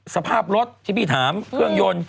สภาพรถที่พี่ถามเครื่องยนต์